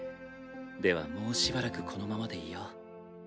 ではもうしばらくこのままでいよう。